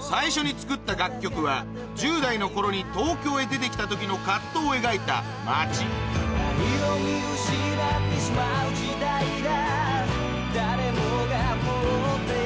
最初に作った楽曲は１０代の頃に東京へ出て来た時の藤を描いた『街』んですけど。